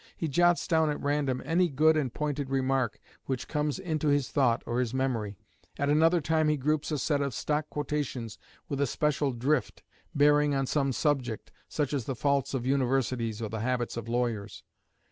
He jots down at random any good and pointed remark which comes into his thought or his memory; at another time he groups a set of stock quotations with a special drift, bearing on some subject, such as the faults of universities or the habits of lawyers.